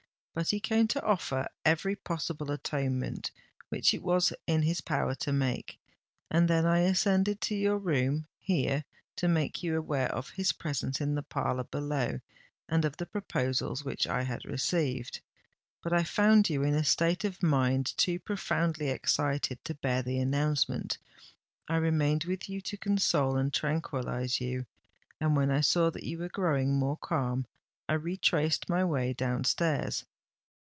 But he came to offer every possible atonement which it was in his power to make; and then I ascended to your room—here—to make you aware of his presence in the parlour below and of the proposals which I had received. But I found you in a state of mind too profoundly excited to bear the announcement—I remained with you to console and tranquillise you—and, when I saw that you were growing more calm, I retraced my way down stairs.